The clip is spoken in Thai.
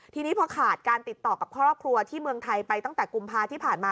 ทีนี้พอขาดการติดต่อกับครอบครัวที่เมืองไทยไปตั้งแต่กุมภาที่ผ่านมา